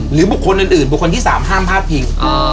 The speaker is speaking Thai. หรือบุคคลอื่นที่สามภาษาภาภิกษา